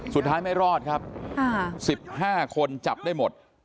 สุดท้ายไม่รอดครับ๑๕คนจับได้หมด